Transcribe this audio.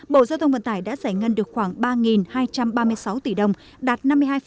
bộ giao thông vận tải đã giải ngân được khoảng ba hai trăm ba mươi sáu tỷ đồng đạt năm mươi hai